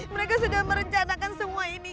mereka sudah merencanakan semua ini